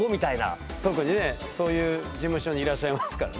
特にねそういう事務所にいらっしゃいますからね。